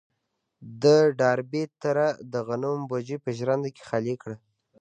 د ډاربي تره د غنمو بوجۍ په ژرنده کې خالي کړه.